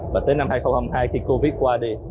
và tới năm hai nghìn hai mươi hai khi covid qua đi